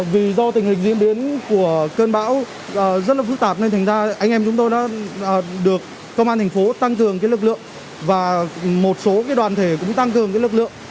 vì do tình hình diễn biến của cơn bão rất là phức tạp nên thành ra anh em chúng tôi đã được công an thành phố tăng cường lực lượng và một số đoàn thể cũng tăng cường lực lượng